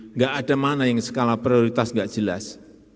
nggak ada mana yang skala prioritas nggak jelas